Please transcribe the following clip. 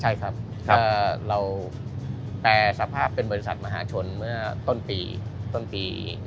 ใช่ครับเราแปลสภาพเป็นบริษัทมหาชนเมื่อต้นปีต้นปี